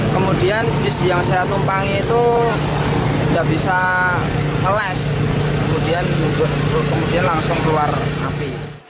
kemudian bis yang saya tumpangi itu tidak bisa ngeles kemudian langsung keluar api